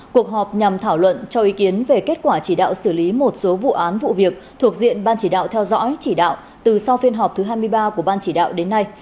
cuộc họp nhằm thảo luận cho ý kiến về kết quả chỉ đạo xử lý một số vụ án vụ việc thuộc diện ban chỉ đạo theo dõi chỉ đạo từ sau phiên họp thứ hai mươi ba của ban chỉ đạo đến nay